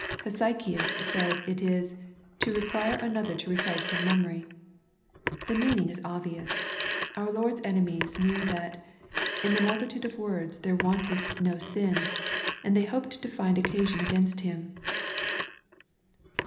Hesy chius says it is " to require another to recite from memory." The meaning is obvious. Our Lord's enemies knew that " In the mul titude of words there wanteth not sin," and they hoped to find occasion against Him.